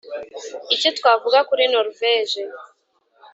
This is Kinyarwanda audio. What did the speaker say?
Icyo twavuga kuri Noruveje